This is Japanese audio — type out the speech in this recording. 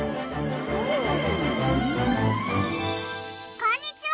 こんにちは！